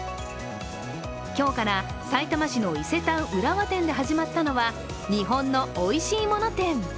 今日からさいたま市の伊勢丹浦和店で始まったのは日本のおいしいもの展。